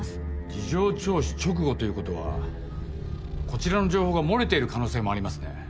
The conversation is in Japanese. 事情聴取直後ということはこちらの情報が漏れている可能性もありますね。